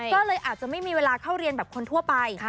ก็เลยอาจจะไม่มีเวลาเข้าเรียนแบบคนทั่วไป